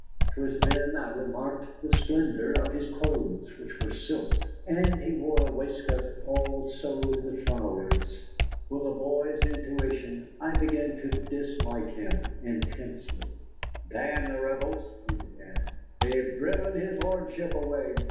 'Twas then I remarked the splendor of his clothes, which were silk. And he wore a waistcoat all sewed with flowers. With a boy's intuition, I began to dislike him intensely. "Damn the Rebels!" he began. "They've driven his Lordship away.